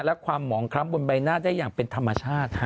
และความหมองคล้ำบนใบหน้าได้อย่างเป็นธรรมชาติ